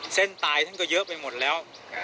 เส้นตายท่านก็เยอะไปหมดแล้ว